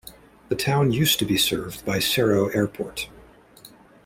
The town used to be served by Serowe Airport.